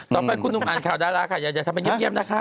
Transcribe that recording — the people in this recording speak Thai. ต่อไปคุณหนุ่มอ่านข่าวดาราค่ะอย่าทำเป็นเงียบนะคะ